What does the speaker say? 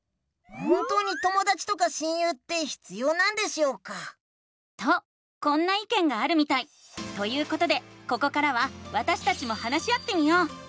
本当にともだちとか親友って必要なんでしょうか？とこんないけんがあるみたい！ということでここからはわたしたちも話し合ってみよう！